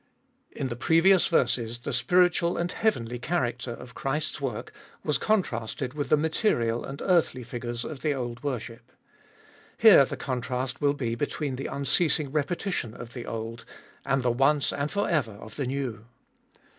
IN the previous verses the spiritual and heavenly character of Christ's work was contrasted with the material and earthly figures of the old worship. Here the contrast will be between the unceasing repetition of the old and the once and for ever of the new.